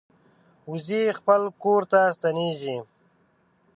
وزې خپل کور ته ستنېږي